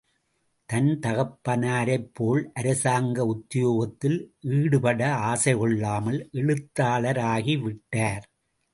தன் தகப்பனாரைப்போல் அரசாங்க உத்தியோகத்தில் ஈடுபட ஆசைகொள்ளாமல் எழுத்தாளராகிவிட்டார்.